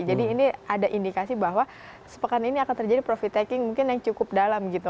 jadi ini ada indikasi bahwa sepekan ini akan terjadi profit taking mungkin yang cukup dalam gitu